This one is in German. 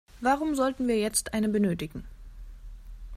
Warum sollten wir jetzt eine benötigen?